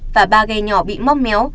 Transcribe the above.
và ba ghe nhỏ bị móc méo